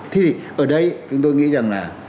thì ở đây chúng tôi nghĩ rằng là